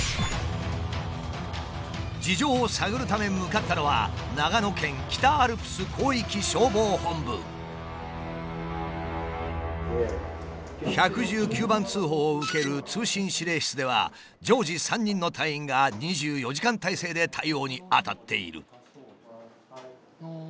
事情を探るため向かったのは長野県１１９番通報を受ける通信指令室では常時３人の隊員が２４時間体制で対応に当たっている。